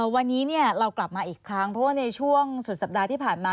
วันนี้เรากลับมาอีกครั้งเพราะว่าในช่วงสุดสัปดาห์ที่ผ่านมา